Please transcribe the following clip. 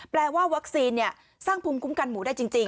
แปลว่าวัคซีนสร้างภูมิคุ้มกันหมูได้จริง